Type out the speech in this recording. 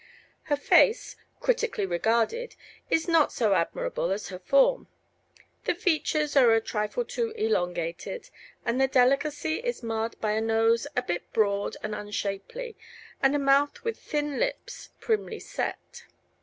Her face, critically regarded, is not so admirable as her form. The features are a trifle too elongated, and their delicacy is marred by a nose a bit broad and unshapely and a mouth with thin lips primly set.